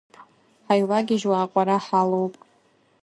Ҳаивагьежьуа аҟәара ҳалоуп.